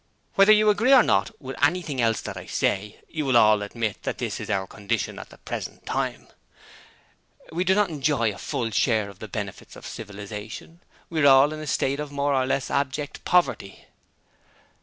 Whether you agree or not with anything else that I say, you will all admit that that is our condition at the present time. We do not enjoy a full share of the benefits of civilization we are all in a state of more or less abject poverty.'